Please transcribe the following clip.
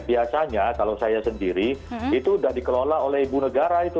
biasanya kalau saya sendiri itu sudah dikelola oleh ibu negara itu